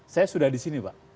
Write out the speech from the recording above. saya sudah disini pak